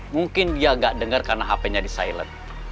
mungkin dia gak dengar karena hpnya di silent